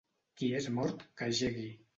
Qui és mort que jegui.